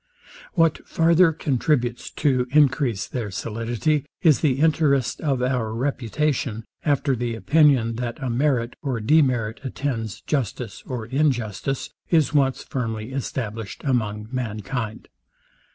What farther contributes to encrease their solidity, is the interest of our reputation, after the opinion, that a merit or demerit attends justice or injustice, is once firmly established among mankind.